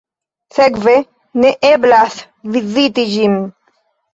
Sekve ne eblas viziti ĝin.